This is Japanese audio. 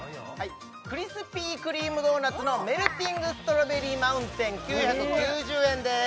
クリスピー・クリーム・ドーナツのメルティングストロベリーマウンテン９９０円です